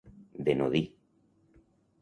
De no dir.